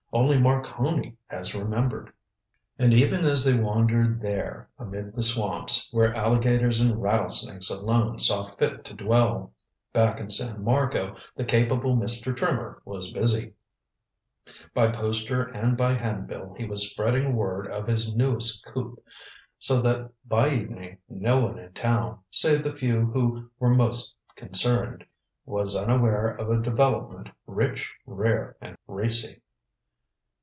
Only Marconi has remembered." And even as they wandered there amid the swamps, where alligators and rattlesnakes alone saw fit to dwell, back in San Marco the capable Mr. Trimmer was busy. By poster and by hand bill he was spreading word of his newest coup, so that by evening no one in town save the few who were most concerned was unaware of a development rich, rare and racy.